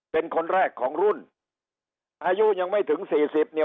เป็นคนแรกของรุ่นอายุยังไม่ถึงสี่สิบเนี่ย